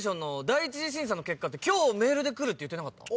第１次審査の結果って今日メールで来るって言ってなかった。